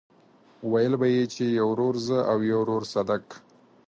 ويل به يې چې يو ورور زه او يو ورور صدک.